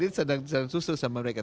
ini sedang susu sama mereka